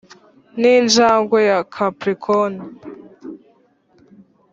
ninjangwe ya capricorn